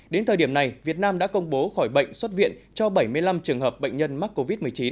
đến thời điểm này việt nam đã công bố khỏi bệnh xuất viện cho bảy mươi năm trường hợp bệnh nhân mắc covid một mươi chín